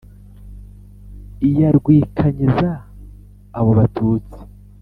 Iya rwikanyiza abo Batutsi,